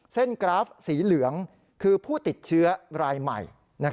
กราฟสีเหลืองคือผู้ติดเชื้อรายใหม่